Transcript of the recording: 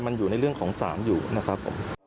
มันอยู่ในเรื่องของศาลอยู่นะครับผม